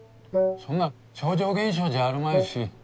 そんな超常現象じゃあるまいし。